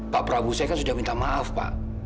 pak prabowo saya kan sudah minta maaf pak